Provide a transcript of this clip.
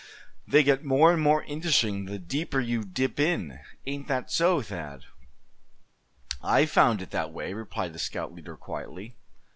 They get more and more interesting the deeper you dip in; ain't that so, Thad?" "I've found it that way," replied the scout leader, quietly.